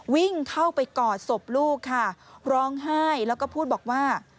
วิ่งเข้าไปกอดศพลูกค่ะร้องไห้แล้วก็พูดบอกว่า